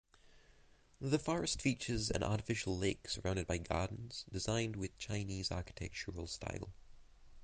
The forest features an artificial lake surrounded by gardens designed with Chinese architectural style.